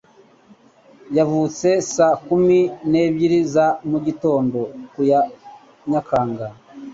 Yavutse saa kumi n'ebyiri za mugitondo ku ya Nyakanga.